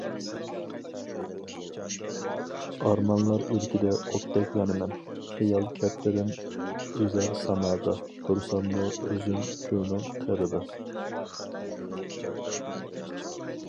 ئارمانلار ئىلكىدە ئوتتەك يانىمەن... خىيال كەپتىرىم ئۈزەر سامادا، تۇرساممۇ ئۆزۈم كۆلنىڭ قىرىدا.